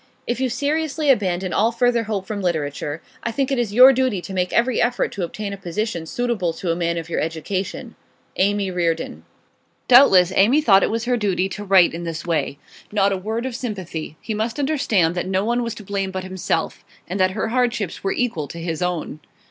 If you seriously abandon all further hope from literature, I think it is your duty to make every effort to obtain a position suitable to a man of your education. AMY REARDON.' Doubtless Amy thought it was her duty to write in this way. Not a word of sympathy; he must understand that no one was to blame but himself; and that her hardships were equal to his own.